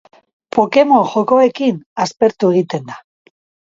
Pokemon jokoekin aspertu egiten da.